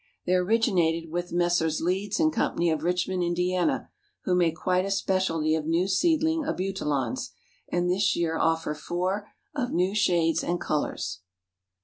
They originated with Messrs. Leeds & Co., of Richmond, Indiana, who make quite a specialty of new seedling Abutilons, and this year offer four "of new shades and colors."